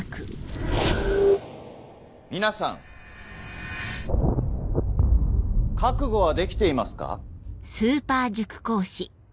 皆さん覚悟はできていますか？